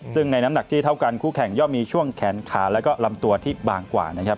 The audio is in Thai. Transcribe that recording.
ซึ่งในน้ำหนักที่เท่ากันคู่แข่งย่อมมีช่วงแขนขาแล้วก็ลำตัวที่บางกว่านะครับ